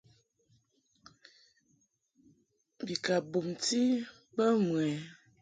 Bi ka bumti bə mɨ ɛ ?